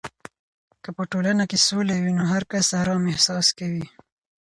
که په ټولنه کې سوله وي، نو هر کس آرام احساس کوي.